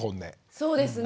そうですね。